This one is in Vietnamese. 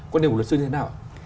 quan điểm của luật sư như thế nào